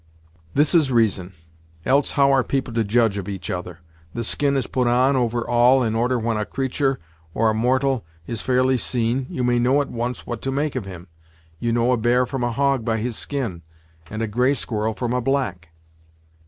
This is reason; else how are people to judge of each other. The skin is put on, over all, in order when a creatur', or a mortal, is fairly seen, you may know at once what to make of him. You know a bear from a hog, by his skin, and a gray squirrel from a black."